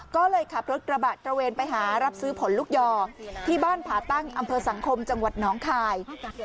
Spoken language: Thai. ก็เลยขับรถกระบะตระเวนไปหารับซื้อผลลูกยอที่บ้านผาตั้งอำเภอสังคมจังหวัดน้องคาย